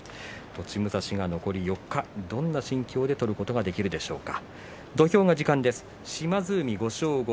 栃武蔵は残り４日どんな心境で臨むことができるでしょうか。